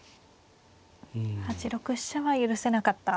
８六飛車は許せなかった。